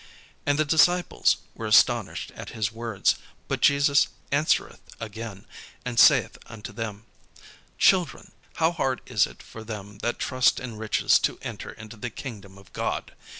And the disciples were astonished at his words. But Jesus answereth again, and saith unto them: "Children, how hard is it for them that trust in riches to enter into the kingdom of God!